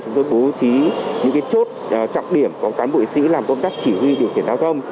chúng tôi bố trí những chốt trọng điểm có cán bộ sĩ làm công tác chỉ huy điều khiển giao thông